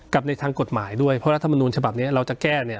ในทางกฎหมายด้วยเพราะรัฐมนุนฉบับนี้เราจะแก้เนี่ย